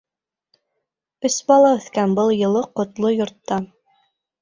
Өс бала үҫкән был йылы, ҡотло йортта.